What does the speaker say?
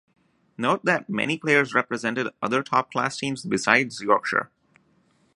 Note that many players represented other top-class teams besides Yorkshire.